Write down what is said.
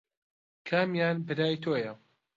کامیان برای تۆیە؟